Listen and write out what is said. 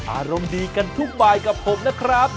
อารมณ์ดีกันทุกบายกับผมนะครับ